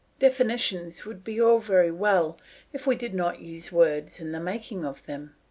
Definitions would be all very well if we did not use words in the making of them.